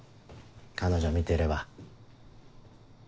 彼女見てれば。